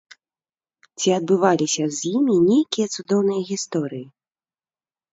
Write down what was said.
Ці адбываліся з імі нейкія цудоўныя гісторыі?